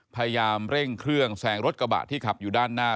พยายามเร่งเครื่องแซงรถกระบะที่ขับอยู่ด้านหน้า